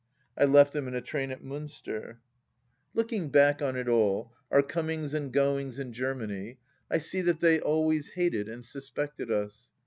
I left them in a train at Miinster. 102 THE LAST DITCH Looking back on it all, our comings and goings in Germany, I see that they always hated and suspected us.